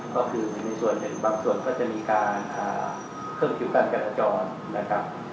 ก็คือในส่วนหนึ่งบางส่วนก็จะมีการเพิ่มคิวการจราจรนะครับ